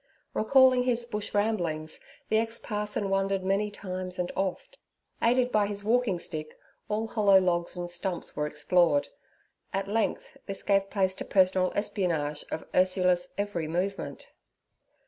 Recalling his Bush ramblings, the ex parson wandered many times and oft; aided by his walking stick, all hollow logs and stumps were explored. At length this gave place to personal espionage of Ursula's every movement.